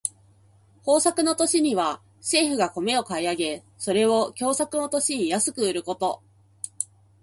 豊作の年には政府が米を買い上げ、それを凶作の年に安く売ること。